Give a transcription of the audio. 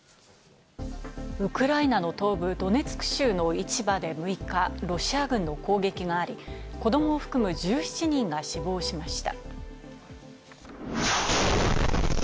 ウクライナの東部ドネツク州の市場で６日、ロシア軍の攻撃があり、子どもを含む１７人が死亡しました。